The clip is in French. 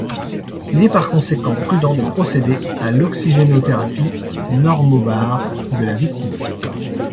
Il est par conséquent prudent de procéder à l'oxygénothérapie normobare de la victime.